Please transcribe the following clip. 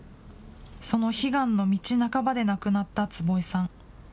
その悲願の道半ばで亡くなった坪井さん。